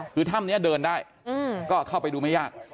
คือถ้ำนี้เดินได้ก็เข้าไปดูไม่ยาก